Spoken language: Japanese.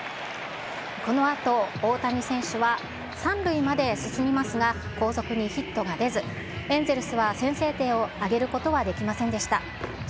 このあと大谷選手は、３塁まで進みますが、後続にヒットが出ず、エンゼルスは先制点を挙げることはできませんでした。